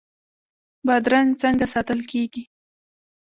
بادرنګ څنګه ساتل کیږي؟